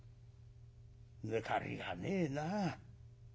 抜かりがねえなあ。